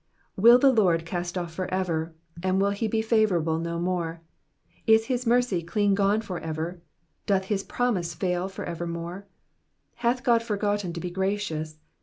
7 Will the Lord cast off for ever? and will he be favourable no more ? 8 Is his mercy clean gone for ever ? doth /its promise fail for evermore ? 9 Hath God forgotten to be gracious